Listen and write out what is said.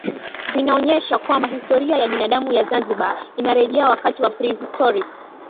Vinaonesha kwamba historia ya binadamu ya Zanzibar inarejea wakati wa prehistoric